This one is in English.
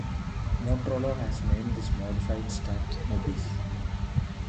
Motorola has named this modified stack 'Mobis'.